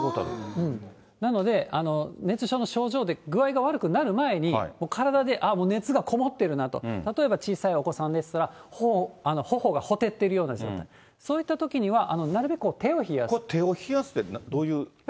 なので、熱中症の症状で具合が悪くなる前に、もう体で、ああ、もう熱がこもってるなと、例えば小さいお子さんでしたら、ほおがほてってるような状態、そういったときにはなるべく手を冷手を冷やすって、どういう？